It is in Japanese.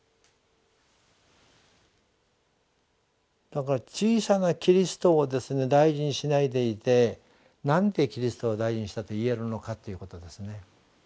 だから小さなキリストを大事にしないでいてなんでキリストを大事にしたと言えるのかということですね。